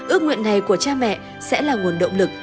ước nguyện này của cha mẹ sẽ là nguồn động lực